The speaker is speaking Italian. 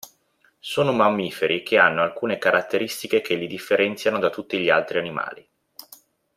Sono mammiferi che hanno alcune caratteristiche che li differenziano da tutti gli altri animali.